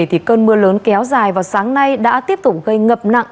thì cơn mưa lớn kéo dài vào sáng nay đã tiếp tục gây ngập nặng